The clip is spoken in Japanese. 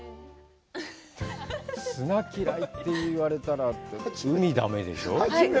砂嫌いと言われたら、海だめでしょう。